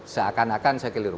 seakan akan saya keliru